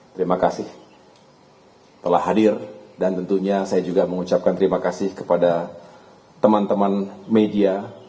terima kasih telah hadir dan tentunya saya juga mengucapkan terima kasih kepada teman teman media